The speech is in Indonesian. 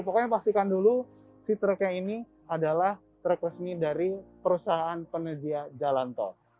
pokoknya pastikan dulu si truknya ini adalah truk resmi dari perusahaan penyedia jalan tol